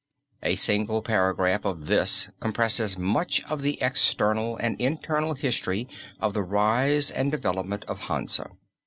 A single paragraph of this compresses much of the external and internal history of the "Rise and Development of Hansa."